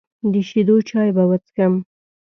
د شیدو چای به وڅښم.